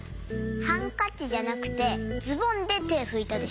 ハンカチじゃなくてズボンでてふいたでしょ。